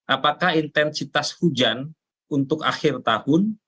apakah intensitas hujan untuk akhir tahun